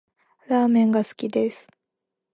ラーメンが好きです